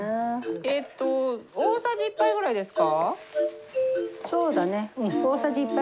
えっと大さじ１杯ぐらいですか？